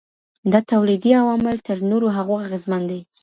دا تولیدي عوامل تر نورو هغو اغیزمن دي.